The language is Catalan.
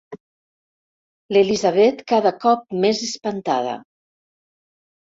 L'Elisabet cada cop més espantada.